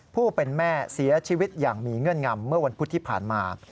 ผู้เป็นแม่เสียชีวิตอย่างมีเงื่อนงำเมื่อวันพุธที่ผ่านมา